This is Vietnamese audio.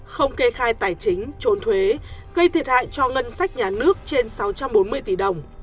không kê khai tài chính trốn thuế gây thiệt hại cho ngân sách nhà nước trên sáu trăm bốn mươi tỷ đồng